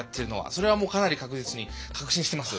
それはもうかなり確実に確信してます